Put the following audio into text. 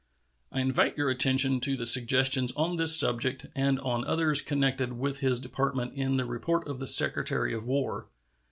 I invite your attention to the suggestions on this subject and on others connected with his Department in the report of the Secretary of War.